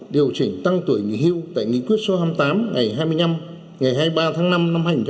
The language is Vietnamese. điều chỉnh tăng tuổi nghỉ hưu tại nghị quyết số hai mươi tám ngày hai mươi năm ngày hai mươi ba tháng năm năm hai nghìn một mươi